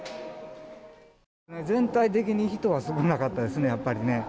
全体的に人は少なかったですねやっぱりね。